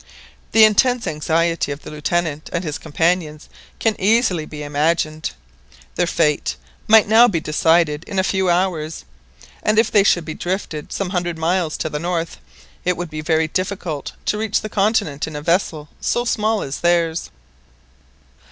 The intense anxiety of the Lieutenant and his companions can easily be imagined. Their fate might now be decided in a few hours, and if they should be drifted some hundred miles to the north, it would be very difficult to reach the continent in a vessel so small as theirs.